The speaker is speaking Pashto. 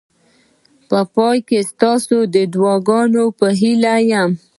په پای کې ستاسو د دعاګانو په هیله یم.